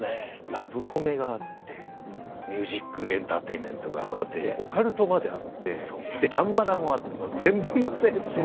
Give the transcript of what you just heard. ラブコメがあってミュージックエンターテインメントがあってオカルトまであってチャンバラもあってもう全部乗せっていう。